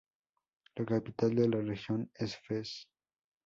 La capital de la región es Fez.